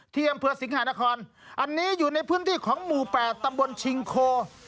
ที่อำเภอสิงหานครอันนี้อยู่ในพื้นที่ของหมู่๘ตำบลชิงโค